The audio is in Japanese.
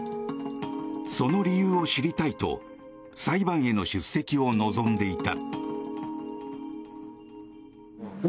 その理由を知りたいと裁判への出席を望んでいた。